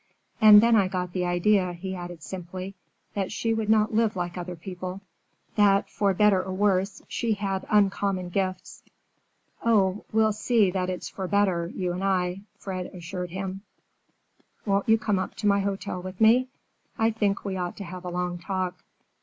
"And then I got the idea," he added simply, "that she would not live like other people: that, for better or worse, she had uncommon gifts." "Oh, we'll see that it's for better, you and I," Fred reassured him. "Won't you come up to my hotel with me? I think we ought to have a long talk."